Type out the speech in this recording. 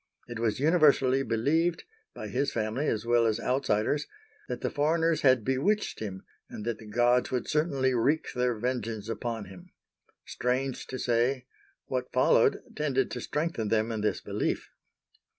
It was universally believed,—by his family as well as outsiders—that the foreigners had bewitched him and that the gods would certainly wreak their vengeance upon him. Strange to say, what followed, tended to strengthen them in this belief.